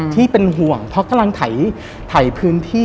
ที่เป็นห่วงเพราะกำลังถ่ายพื้นที่